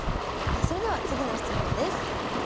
それでは次の質問です。